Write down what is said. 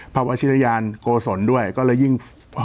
พระวชิริยานโกศลด้วยก็เลยยิ่ง